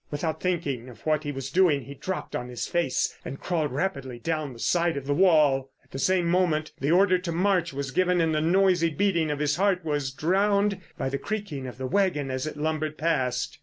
Without thinking of what he was doing he dropped on his face and crawled rapidly down the side of the wall. At the same moment the order to march was given and the noisy beating of his heart was drowned by the creaking of the waggon as it lumbered past.